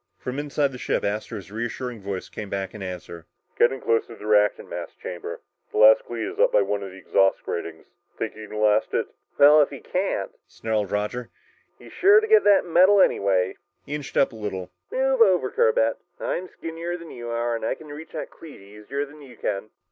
From inside the ship, Astro's reassuring voice came back in answer. "You're getting close to the reactant mass chamber. The last cleat is up by one of the exhaust gratings. Think you can last it?" "Well, if he can't," snarled Roger, "he's sure to get that medal anyway!" He inched up a little. "Move over, Corbett, I'm skinnier than you are, and I can reach that cleat easier than you can."